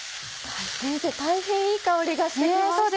先生大変いい香りがして来ました。